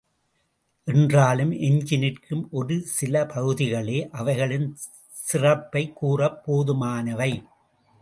என்றாலும் எஞ்சி நிற்கும் ஒரு சில பகுதிகளே அவைகளின் சிறப்பைக் கூறப் போதுமானவை.